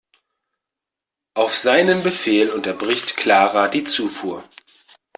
Auf seinen Befehl unterbricht Clara die Zufuhr.